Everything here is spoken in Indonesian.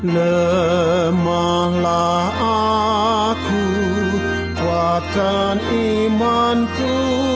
lemahlah aku kuatkan imanku